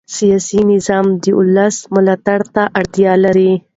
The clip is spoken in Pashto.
سیاسي نظام د ولس ملاتړ ته اړتیا لري